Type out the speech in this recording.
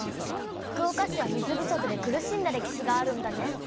福岡市は水不足で苦しんだ歴史があるんだね。